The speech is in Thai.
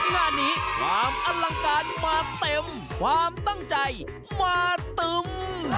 งานนี้ความอลังการมาเต็มความตั้งใจมาตึง